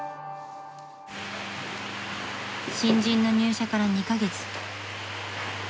［新人の入社から２カ月］